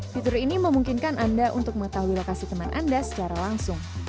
fitur ini memungkinkan anda untuk mengetahui lokasi teman anda secara langsung